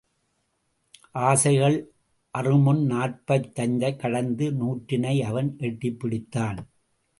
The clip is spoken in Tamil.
ஆசைகள் அறுமுன் நாற்பதைக் கடந்து நூற்றினை அவன் எட்டிப்பிடித்தான்.